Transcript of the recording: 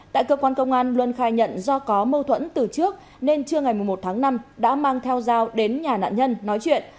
tại cơ quan công an luân khai nhận do có mâu thuẫn từ trước nên trưa ngày một tháng năm đã mang theo dao đến nhà nạn nhân nói chuyện